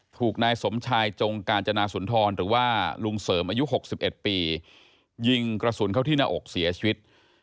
ถูกนายสมชายจงกาญจนาสุนทรหรือว่าลุงเสริมอายุ๖๑ปียิงกระสุนเข้าที่หน้าอกเสียชีวิต